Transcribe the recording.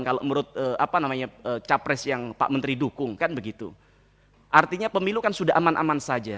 kalau menurut capres yang pak menteri dukung artinya pemilu kan sudah aman aman saja